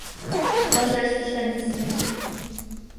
— вашештыш Анисим.